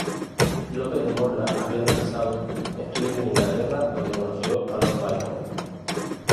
López de Morla había realizado estudios en Inglaterra, donde conoció a Lord Byron.